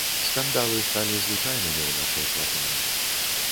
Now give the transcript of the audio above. Скандалы сталі звычайнымі ў нашай кватэры.